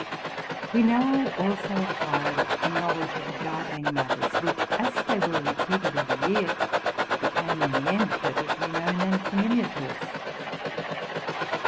We now also acquired a knowledge of gardening matters. which, as they were repeated every year, became in the end perfectly known and familiar to us.